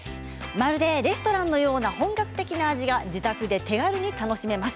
まるでレストランのような本格的な味が自宅で手軽に楽しめます。